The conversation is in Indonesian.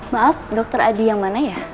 maaf dokter adi yang mana ya